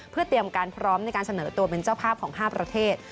เพื่อเตรียมการพร้อมในการเสนอตัวเป็นเจ้าภาพของ๕ประเทศ